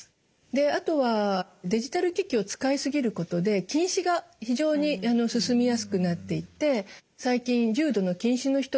であとはデジタル機器を使い過ぎることで近視が非常に進みやすくなっていって最近重度の近視の人が増えています。